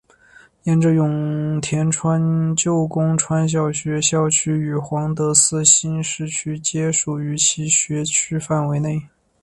沿着永田川的旧宫川小学校校区与皇德寺新市区皆属于其学区范围内。